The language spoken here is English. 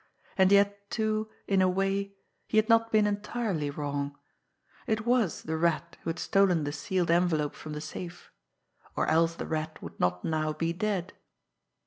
And yet, too, in a way, he had not been entirely wrong. It was the Rat who had stolen the sealed envelope from the safe or else the Rat would not now be dead!